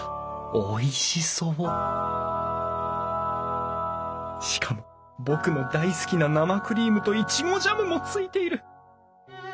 おいしそうしかも僕の大好きな生クリームといちごジャムもついている。